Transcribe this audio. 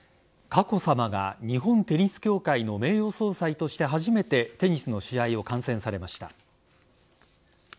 佳子さまが日本テニス協会の名誉総裁として初めてテニスの試合を観戦されました。